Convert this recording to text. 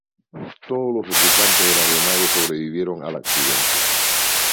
Todos los ocupantes de la aeronave sobrevivieron al accidente.